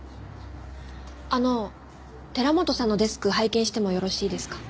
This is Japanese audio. あの寺本さんのデスク拝見してもよろしいですか？